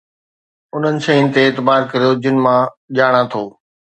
انهن شين تي اعتبار ڪريو جن کي مان ڄاڻان ٿو